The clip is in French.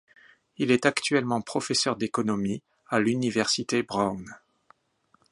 Il est actuellement professeur d'économie à l'université Brown.